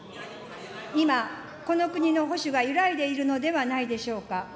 今、この国の保守が揺らいでいるのではないでしょうか。